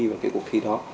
và cuộc thi đó